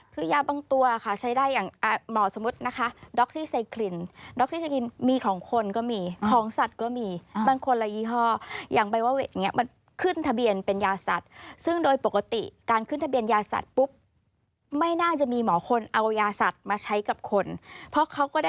คือยาบังตัวค่ะใช้ได้อย่างมสมมตินะคะ